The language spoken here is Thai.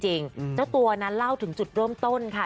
เจ้าตัวนั้นเล่าถึงจุดเริ่มต้นค่ะ